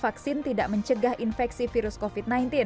vaksin tidak mencegah infeksi virus covid sembilan belas